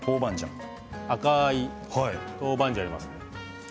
赤い、豆板醤ありますね。